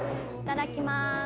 いただきます。